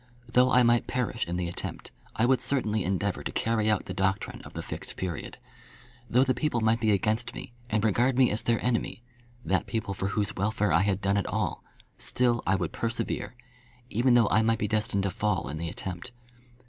Though I might perish in the attempt, I would certainly endeavour to carry out the doctrine of the Fixed Period. Though the people might be against me, and regard me as their enemy, that people for whose welfare I had done it all, still I would persevere, even though I might be destined to fall in the attempt.